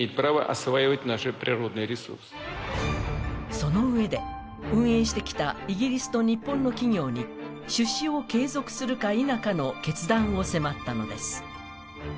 そのうえで運営してきたイギリスと日本の企業に出資を継続するか否かの決断を迫ったのです。